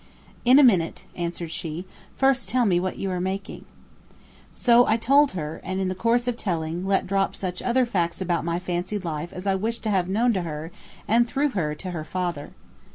"In a minute," answered she, "first tell me what you are making." So I told her and in the course of telling, let drop such other facts about my fancied life as I wished to have known to her and through her to her father.